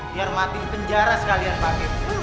biar mati di penjara sekalian pak hakim